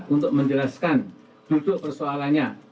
untuk menjelaskan duduk persoalannya